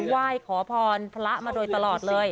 ไหว้ขอพรพระมาเลยตลอด